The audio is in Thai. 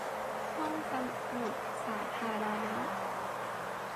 ห้องสมุดสาธารณะ